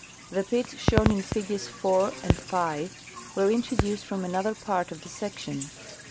The pits shown in figures 4 and 5 were introduced from another part of the section.